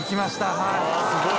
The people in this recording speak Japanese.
はい。